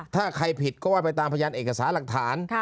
ถ้าใครผิดก็ว่าไปตามพยานเอกสารหลักฐาน